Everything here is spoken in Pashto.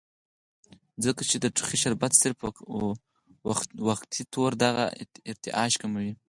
ځکه چې د ټوخي شربت صرف وقتي طور دغه ارتعاش کموي